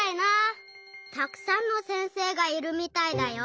たくさんの先生がいるみたいだよ。